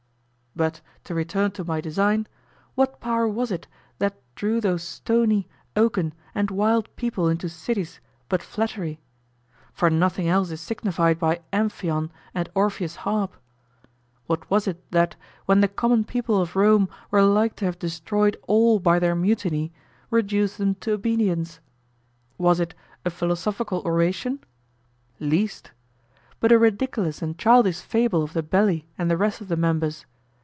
But, to return to my design, what power was it that drew those stony, oaken, and wild people into cities but flattery? For nothing else is signified by Amphion and Orpheus' harp. What was it that, when the common people of Rome were like to have destroyed all by their mutiny, reduced them to obedience? Was it a philosophical oration? Least. But a ridiculous and childish fable of the belly and the rest of the members.